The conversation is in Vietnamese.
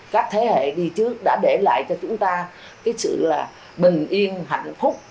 các thế hệ đi trước đã để lại cho chúng ta cái sự bình yên hạnh phúc